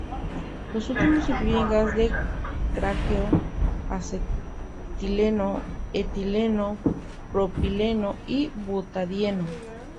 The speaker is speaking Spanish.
Los últimos incluyen gas de craqueo, acetileno, etileno, propileno y butadieno.